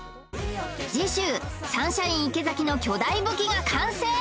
次週サンシャイン池崎の巨大武器が完成！